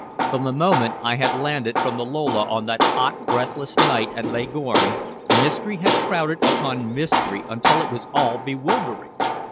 From the moment I had landed from the Lola on that hot, breathless night at Leghorn, mystery had crowded upon mystery until it was all bewildering.